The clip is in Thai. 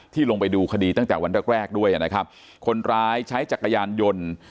ลงไปดูคดีตั้งแต่วันแรกแรกด้วยนะครับคนร้ายใช้จักรยานยนต์